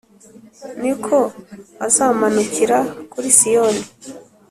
ni ko azamanukira kuri Siyoni,